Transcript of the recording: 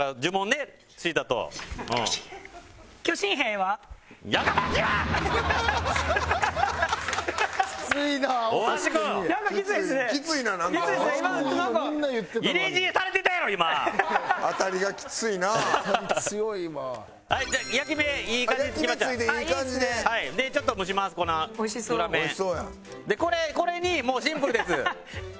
でこれにもうシンプルですシンプル。